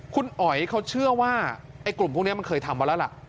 คุณอ๋อยเขาเชื่อว่าไอ้กลุ่มพวกนี้มันเคยทำมาแล้วล่ะ